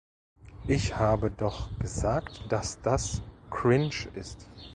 Ich habe doch gesagt, dass das cringe ist.